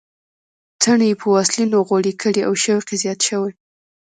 څڼې یې په واسلینو غوړې کړې او شوق یې زیات شوی.